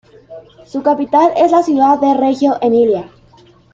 Su capital es la ciudad de Reggio Emilia.